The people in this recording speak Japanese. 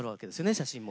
写真も。